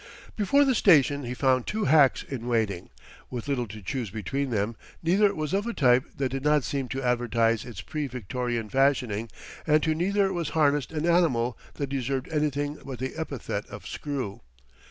Before the station he found two hacks in waiting, with little to choose between them; neither was of a type that did not seem to advertise its pre Victorian fashioning, and to neither was harnessed an animal that deserved anything but the epithet of screw.